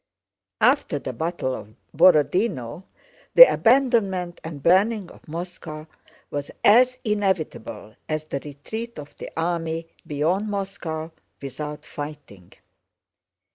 After the battle of Borodinó the abandonment and burning of Moscow was as inevitable as the retreat of the army beyond Moscow without fighting.